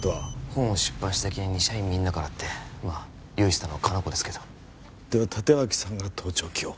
本を出版した記念に社員みんなからってまあ用意したのは香菜子ですけどでは立脇さんが盗聴器を？